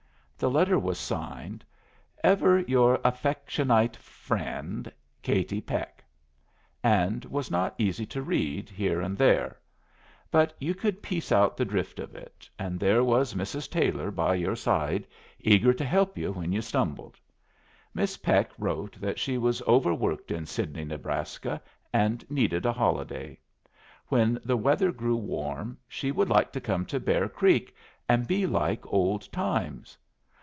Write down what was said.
The letter was signed, "Ever your afectionite frend. "Katie Peck," and was not easy to read, here and there. But you could piece out the drift of it, and there was Mrs. Taylor by your side, eager to help you when you stumbled. Miss Peck wrote that she was overworked in Sidney, Nebraska, and needed a holiday. When the weather grew warm she should like to come to Bear Creek and be like old times.